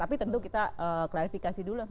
tapi tentu kita klarifikasi dulu